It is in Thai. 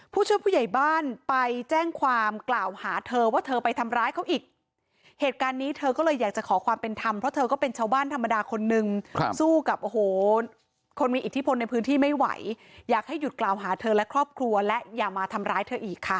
ผู้ช่วยผู้ใหญ่บ้านไปแจ้งความกล่าวหาเธอว่าเธอไปทำร้ายเขาอีกเหตุการณ์นี้เธอก็เลยอยากจะขอความเป็นธรรมเพราะเธอก็เป็นชาวบ้านธรรมดาคนนึงสู้กับโอ้โหคนมีอิทธิพลในพื้นที่ไม่ไหวอยากให้หยุดกล่าวหาเธอและครอบครัวและอย่ามาทำร้ายเธออีกค่ะ